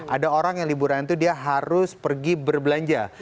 ada orang yang liburan itu dia harus pergi berbelanja